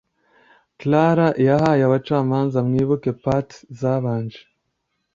Clara yahaye abacamanza mwibuke parts zabanje